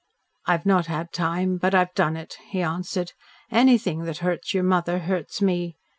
"I've not had time, but I've done it," he answered. "Anything that hurts your mother hurts me.